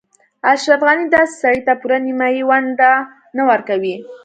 اشرف غني داسې سړي ته پوره نیمايي ونډه نه ورکوي.